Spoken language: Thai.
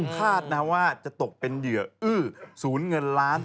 คาดนะว่าจะตกเป็นเหยื่ออื้อศูนย์เงินล้าน